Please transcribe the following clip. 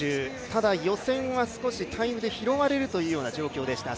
ただ予選は少しタイムで拾われるという状況でした。